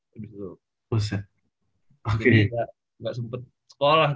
jadi gak sempet sekolah